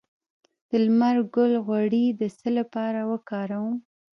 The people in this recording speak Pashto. د لمر ګل غوړي د څه لپاره وکاروم؟